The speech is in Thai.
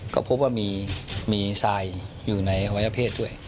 ก็พบว่ามีทรายอยู่ในอวัยวเพศด้วย